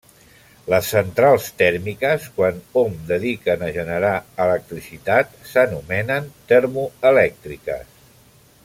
Les centrals tèrmiques quan hom dediquen a generar electricitat s'anomenen termoelèctriques.